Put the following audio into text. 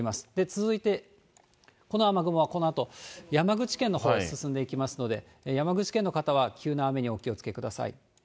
続いてこの雨雲はこのあと、山口県のほうへ進んでいきますので、山口県の方は急な雨にお気をつけください。